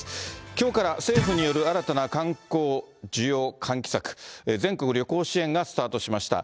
きょうから政府による新たな観光需要喚起策、全国旅行支援がスタートしました。